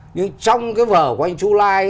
nhưng trong cái vở của anh chu lai